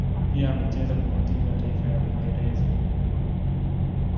Pia amecheza kwenye timu ya taifa ya Uingereza.